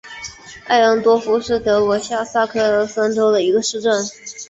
艾恩多夫是德国下萨克森州的一个市镇。